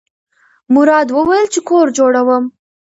مراد وویل چې کور جوړوم.